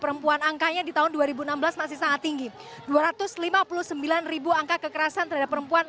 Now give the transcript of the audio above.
perempuan angkanya di tahun dua ribu enam belas masih sangat tinggi dua ratus lima puluh sembilan angka kekerasan terhadap perempuan